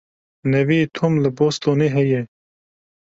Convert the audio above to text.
Neviyê Tom li Bostonê heye.